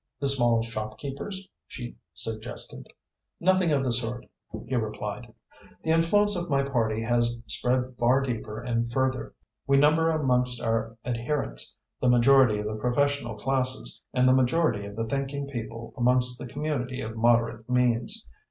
"The small shopkeepers?" she suggested. "Nothing of the sort," he replied. "The influence of my party has spread far deeper and further. We number amongst our adherents the majority of the professional classes and the majority of the thinking people amongst the community of moderate means.